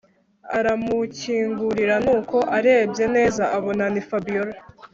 aramukingurira nuko arebye neza abona ni Fabiora